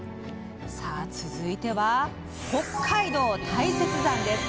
続いては、北海道大雪山です。